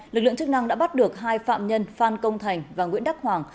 lực lượng chức năng đã bắt được hai phạm nhân phan công thành và nguyễn đắc hoàng